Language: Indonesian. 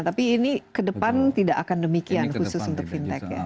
tapi ini ke depan tidak akan demikian khusus untuk fintech ya